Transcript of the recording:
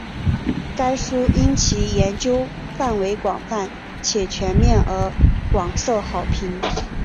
该书因其研究范围广泛且全面而广受好评。